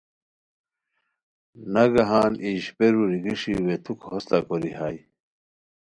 نگہان ای اشپیرو ریگیݰی ویتھوک ہوستہ کوری ہائے